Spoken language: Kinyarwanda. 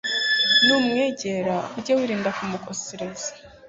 numwegera, ujye wirinda kumukosereza